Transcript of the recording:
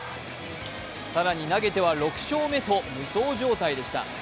更に投げては６勝目と無双状態でした。